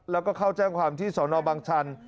แล้วก็เข้าแจ้งความที่สนบังชัน